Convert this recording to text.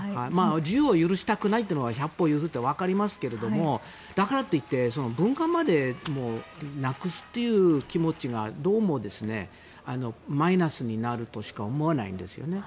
自由を許したくないというのは百歩譲って分かりますけどだからと言って文化までなくすという気持ちはどうも、マイナスになるとしか思えないんですよね。